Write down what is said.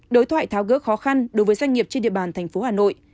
đối thoại tháo gỡ khó khăn đối với doanh nghiệp trên địa bàn thành phố hà nội